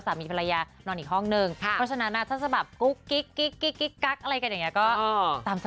ทุกวันนี้ลูกรอนแยกห้องค่ะอ่า